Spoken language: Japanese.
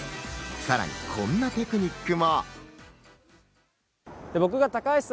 さらにこんなテクニックも。